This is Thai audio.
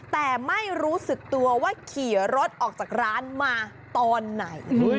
แต่ไม่รู้สึกตัวว่าขี่รถออกจากร้านมาตอนไหน